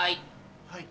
はい。